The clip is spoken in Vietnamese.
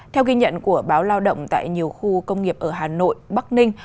theo ghi nhận của báo lao động tại nhiều khu công nghiệp ở hà nội bắc ninh